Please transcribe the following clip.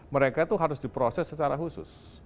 mereka itu harus di proses secara khusus